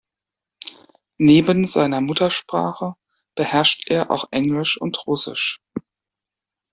Neben seiner Muttersprache beherrscht er auch Englisch und Russisch.